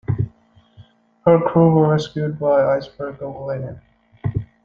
Her crew were rescued by the icebreaker "Lenin".